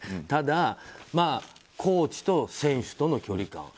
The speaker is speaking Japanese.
ただ、コーチと選手との距離感。